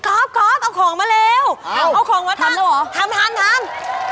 เอาสิ่งของมาเดี๋ยวคุณทำเอง